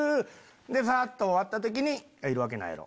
でふぁっと終わった時に「いるわけないやろ」。